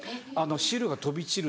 汁が飛び散る。